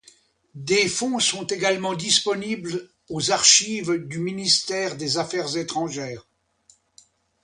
Des fonds sont également disponibles aux Archives du ministère des Affaires étrangères.